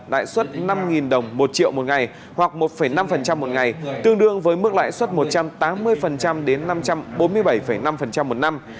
lãi suất năm đồng một triệu một ngày hoặc một năm một ngày tương đương với mức lãi suất một trăm tám mươi đến năm trăm bốn mươi bảy năm một năm